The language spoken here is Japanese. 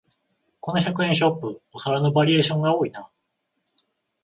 この百円ショップ、お皿のバリエーションが多いな